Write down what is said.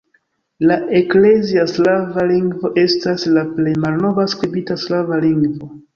La eklezia slava lingvo estas la plej malnova skribita slava lingvo.